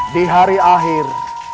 di hari akhir